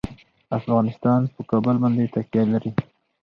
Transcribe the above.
افغانستان په کابل باندې تکیه لري.